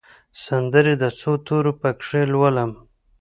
سندرې د څو تورو پکښې لولم